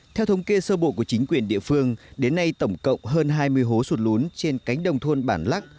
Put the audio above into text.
theo thống kê sơ bộ của chính quyền địa phương đến nay tổng cộng hơn hai mươi hố sụt lún trên cánh đồng thôn bản lắc